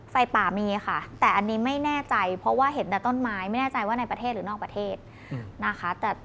ไฟป่ามีค่ะแต่อันนี้ไม่แน่ใจเพราะว่าเห็นแต่ต้นไม้ไม่แน่ใจว่าในประเทศหรือนอกประเทศนะคะ